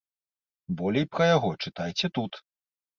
Болей пра яго чытайце тут.